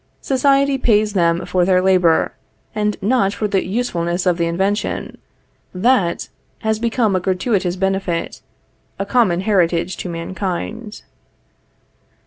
Society pays them for their labor, and not for the usefulness of the invention. That has become a gratuitous benefit, a common heritage to mankind.